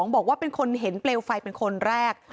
บอกว่าเป็นคนเห็นเปลวไฟเป็นคนแรก